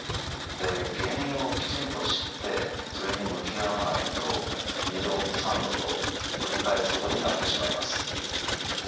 原因をきちんと知ってそれに向き合わないと２度３度と繰り返すことになってしまいます。